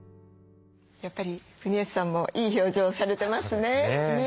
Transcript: やっぱり国吉さんもいい表情されてますね。